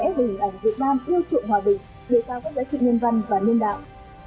về hình ảnh việt nam yêu trụng hòa bình đề cao các giá trị nhân văn và nhân đạo